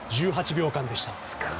１８秒間でした。